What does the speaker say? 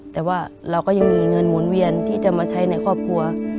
แต่ว่าเราก็ยังมีเงินหมุนเวียนที่จะมาใช้ในครอบครัว